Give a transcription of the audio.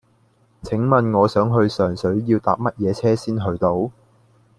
請問我想去上水要搭乜嘢車先去到